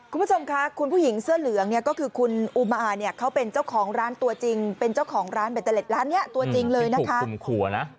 คุณผู้ชมค่ะคุณผู้หญิงเสื้อเหลืองเนี่ยก็คือคุณอุมาเนี่ยเขาเป็นเจ้าของร้านตัวจริงเป็นเจ้าของร้านเบตเตอร์เล็ตร้านนี้ตัวจริงเลยนะคะ